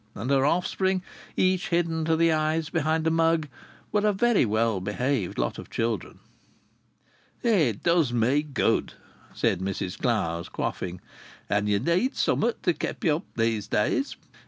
And her offspring, each hidden to the eyes behind a mug, were a very well behaved lot of children. "It does me good," said Mrs Clowes, quaffing. "And ye need summat to keep ye up in these days!